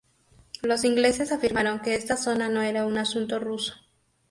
Los ingleses afirmaron que esta zona no era un asunto ruso.